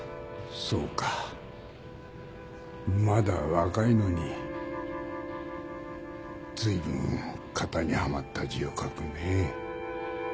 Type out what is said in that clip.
そうかまだ若いのにずいぶん型にはまった字を書くね。